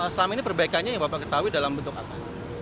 selama ini perbaikannya yang bapak ketahui dalam bentuk apa